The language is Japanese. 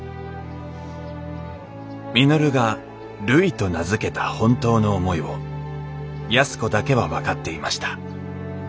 稔がるいと名付けた本当の思いを安子だけは分かっていました。